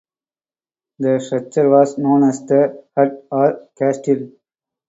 The structure was known as the "hut" or "castle".